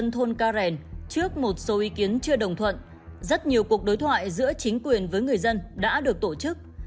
trước một số ý kiến chưa đồng thuận rất nhiều cuộc đối thoại giữa chính quyền với người dân đã được tổ chức